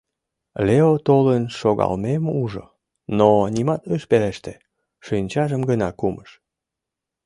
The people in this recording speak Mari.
Лео толын шогалмем ужо, но нимат ыш пелеште, шинчажым гына кумыш.